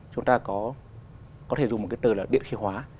chúng ta có thể dùng một cái tờ là điện khí hóa